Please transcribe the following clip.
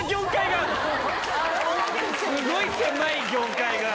すごい狭い業界が。